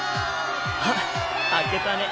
あっ明けたね！